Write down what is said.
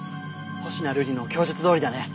星名瑠璃の供述どおりだね。